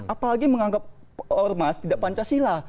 apalagi menganggap ormas tidak pancasila